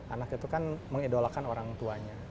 anak itu kan mengidolakan orang tuanya